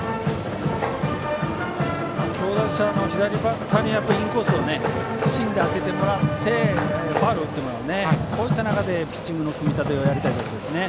強打者の左バッターにインコースを芯で当ててもらってファウルを打ってもらうこういった中でピッチングの組み立てをやりたいところですね。